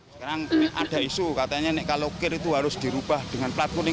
sekarang ada isu katanya kalau kir itu harus dirubah dengan plat kuning